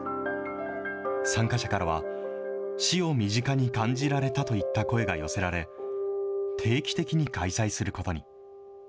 参加者からは、死を身近に感じられたといった声が寄せられ、定期的に開催することに。